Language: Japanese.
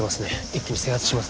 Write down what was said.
一気に制圧しますか。